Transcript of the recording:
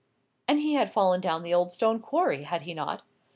"And he had fallen down the old stone quarry, had he not?"